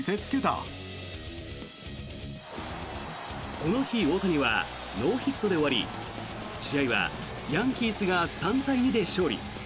この日、大谷はノーヒットで終わり試合はヤンキースが３対２で勝利。